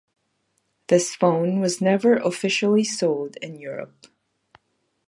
This phone was never officially sold in Europe.